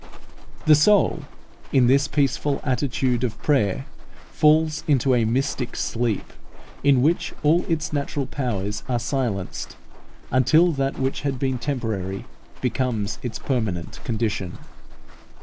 The soul in this peaceful attitude of prayer falls into a mystic sleep, in which all its natural powers are silenced, until that which had been temporary becomes its permanent condition.